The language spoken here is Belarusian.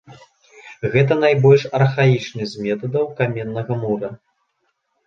Гэта найбольш архаічны з метадаў каменнага мура.